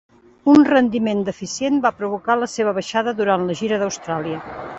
Un rendiment deficient va provocar la seva baixada durant la gira d'Austràlia.